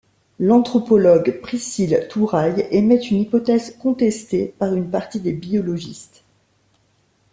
L'anthropologue Priscille Touraille émet une hypothèse contestée par une partie des biologistes.